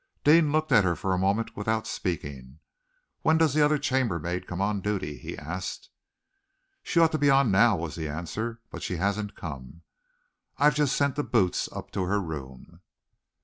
Deane looked at her for a moment without speaking. "When does the other chambermaid come on duty?" he asked. "She ought to be on now," was the answer, "but she hasn't come. I've just sent the 'boots' up to her room."